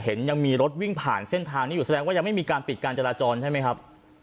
ยังมีรถวิ่งผ่านเส้นทางนี้อยู่แสดงว่ายังไม่มีการปิดการจราจรใช่ไหมครับ